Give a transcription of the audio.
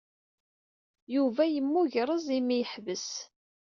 Yuba yemmugreẓ imi ay yeḥbes.